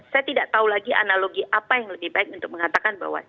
saya tidak tahu lagi analogi apa yang lebih baik untuk mengatakan bahwa